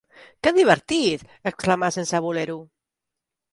"Què divertit!", exclamà sense voler-ho.